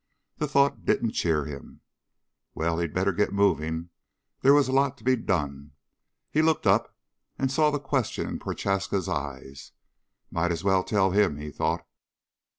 The thought didn't cheer him. Well, he'd better get moving. There was a lot to be done. He looked up and saw the question in Prochaska's eyes. Might as well tell him, he thought.